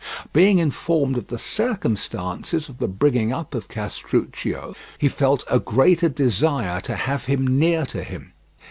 Being informed of the circumstances of the bringing up of Castruccio he felt a greater desire to have him near to him.